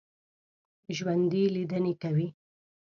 ژوندي لیدنې کوي